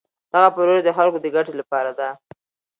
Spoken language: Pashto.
دغه پروژه د خلکو د ګټې لپاره ده.